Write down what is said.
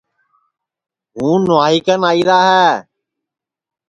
ہوں نُوائی کن آئیرا ہے